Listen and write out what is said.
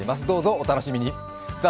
どうぞお楽しみに。